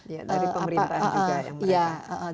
ya dari pemerintah juga yang berkaitan